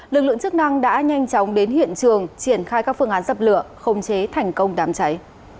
lực lượng chức năng đã nhanh chóng đến hiện trường triển khai các phương án dập lửa không chế thành công đám cháy